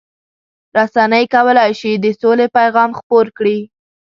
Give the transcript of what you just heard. رسنۍ کولای شي د سولې پیغام خپور کړي.